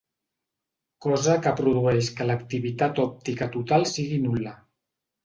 Cosa que produeix que l'activitat òptica total sigui nul·la.